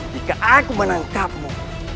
jika aku menangkapmu